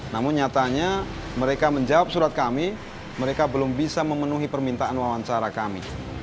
namun nyatanya mereka menjawab surat kami mereka belum bisa memenuhi permintaan wawancara kami